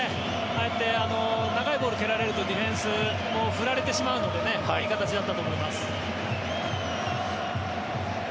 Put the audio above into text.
ああやって長いボールを蹴られるとディフェンスも振られてしまうのでいい形だったと思います。